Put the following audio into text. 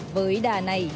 với đà này